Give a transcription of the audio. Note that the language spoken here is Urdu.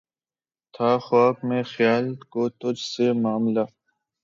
تھا خواب میں خیال کو تجھ سے معاملہ